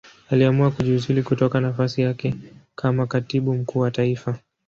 Aliamua kujiuzulu kutoka nafasi yake kama Katibu Mkuu wa Taifa.